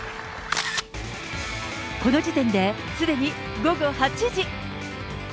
この時点で、すでに午後８時。